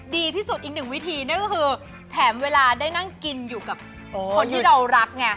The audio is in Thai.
ดีที่สุดอีกหนึ่งวิธีนั่นก็คือแถมเวลาได้นั่งกินอยู่กับคนที่เรารักไง